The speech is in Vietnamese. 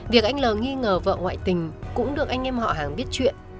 việc anh l nghi ngờ vợ ngoại tình cũng được anh em họ hàng biết chuyện